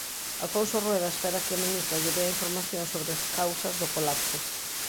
Alfonso Rueda espera que a ministra lle dea información sobre as causas do colapso.